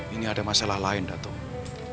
ini ada masalah lain datang